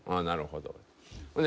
なるほど。